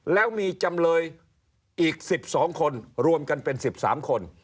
แล้วมีจำเลยอีก๑๒คนรวมกันเป็น๑๓คน